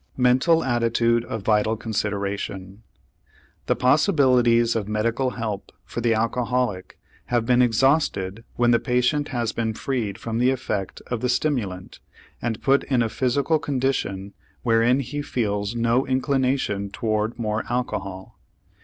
MENTAL ATTITUDE A VITAL CONSIDERATION The possibilities of medical help for the alcoholic have been exhausted when the patient has been freed from the effect of the stimulant and put in a physical condition wherein he feels no inclination toward more alcohol.